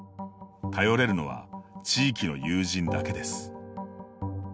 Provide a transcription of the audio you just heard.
頼れるのは、地域の友人だけです。